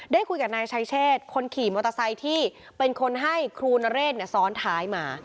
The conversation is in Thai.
ได้คุยกับนายชายเชษคนขี่มอเตอร์ไซค์ที่เป็นคนให้ครูนเรศซ้อนท้ายมา